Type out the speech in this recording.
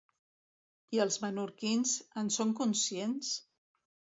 I els menorquins, en són conscients?